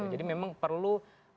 jadi memang perlu